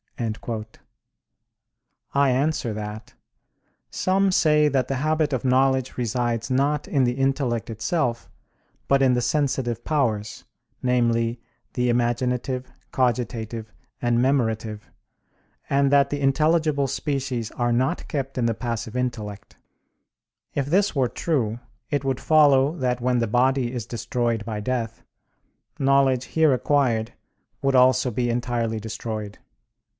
I answer that, Some say that the habit of knowledge resides not in the intellect itself, but in the sensitive powers, namely, the imaginative, cogitative, and memorative, and that the intelligible species are not kept in the passive intellect. If this were true, it would follow that when the body is destroyed by death, knowledge here acquired would also be entirely destroyed.